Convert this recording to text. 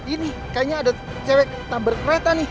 ini kayaknya ada cewek tumbr kereta nih